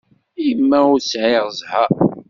I ma ur sɛiɣ ẓẓher?